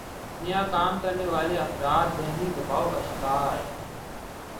نیا کام کرنے والےافراد ذہنی دباؤ کا شکار